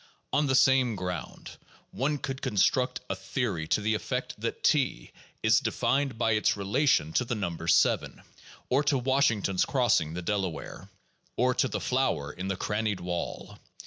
On the same ground one could construct a theory to the effect that T is defined by its relation to the number 7, or to Washington's crossing the Delaware, or to the flower in the crannied wall.